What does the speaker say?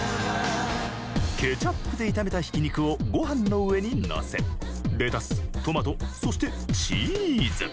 ケチャップで炒めたひき肉を、ごはんの上に載せレタス、トマト、そしてチーズ。